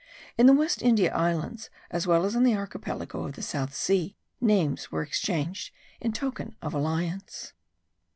In the West India Islands, as well as in the archipelago of the South Sea, names were exchanged in token of alliance.